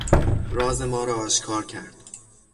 راز ما را آشکار کرد.